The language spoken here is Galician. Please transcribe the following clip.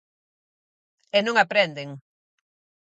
E non aprenden.